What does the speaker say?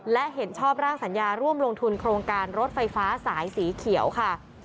และเห็นชอบร่างสัญญาร่วมลงทุนโครงการรถไฟฟ้าสายสีเขียวค่ะ